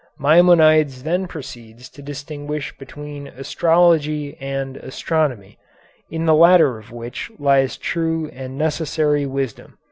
Maimonides then proceeds to distinguish between astrology and astronomy, in the latter of which lies true and necessary wisdom.